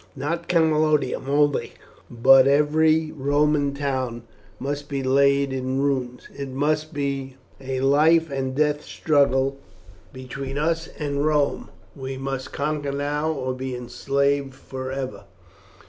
Not Camalodunum only, but every Roman town must be laid in ruins. It must be a life and death struggle between us and Rome; we must conquer now or be enslaved for ever."